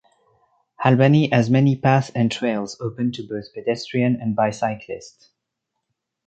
Albany has many paths and trails open to both pedestrian and bicyclists.